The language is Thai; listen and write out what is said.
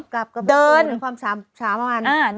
กลับกับประทุในความช้าประมาณ